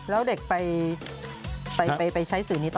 แล้วเด็กไปใช้สื่อนี้ต่อ